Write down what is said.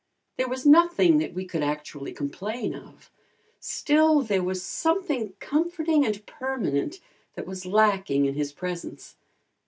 There was nothing that we could actually complain of, still there was something comforting and permanent that was lacking in his presence.